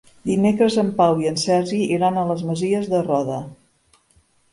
Dimecres en Pau i en Sergi iran a les Masies de Roda.